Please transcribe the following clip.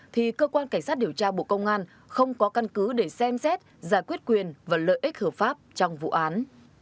thì cơ quan cảnh sát điều tra bộ công an không có căn cứ để xem xét giải quyết quyền và lợi ích hợp pháp trong vụ án